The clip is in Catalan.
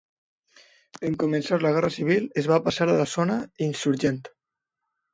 En començar la guerra civil, es va passar a la zona insurgent.